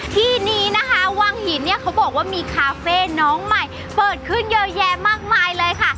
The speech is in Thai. ที่นี้นะคะวังหินเนี่ยเขาบอกว่ามีคาเฟ่น้องใหม่เปิดขึ้นเยอะแยะมากมายเลยค่ะ